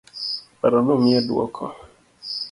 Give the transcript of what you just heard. Paro nomiye duoko.